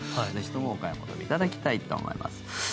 ぜひともお買い求めいただきたいと思います。